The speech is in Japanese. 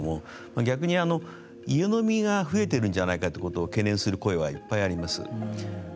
逆に家飲みが増えているんじゃないかと懸念する声はいっぱいあります。